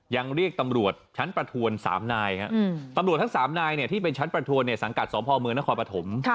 เรียกตำรวจชั้นประทวน๓นายตำรวจทั้ง๓นายที่เป็นชั้นประทวนในสังกัดสพเมืองนครปฐม